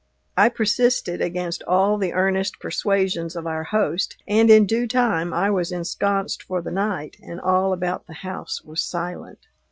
I persisted against all the earnest persuasions of our host, and in due time I was ensconced for the night, and all about the house was silent.